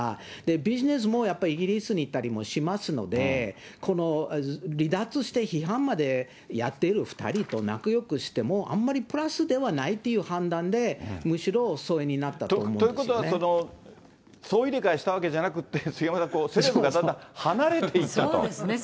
ビジネスもやっぱり、イギリスに行ったりもしますので、この離脱して批判までやってる２人と仲よくしても、あんまりプラスではないという判断で、むしろ疎遠になったと思うということは、総入れ替えしたわけじゃなくて、杉山さん、そうですね。